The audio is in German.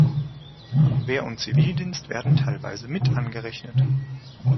Wehr- und Zivildienst werden teilweise mit angerechnet.